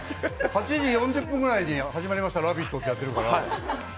８時４０分ぐらいに、「始まりました、「ラヴィット！」」ってやってるから。